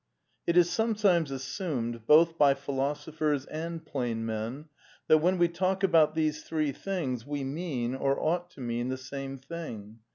It is sometimes assumed, both by philosophers and plain men, that when we talk about these three things we mean, or ought to mean, the same thing.